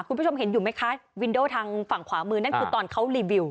คุณผู้ชมเห็นอยู่ไหมคะวินโดทางฝั่งขวามือนั่นคือตอนเขารีวิว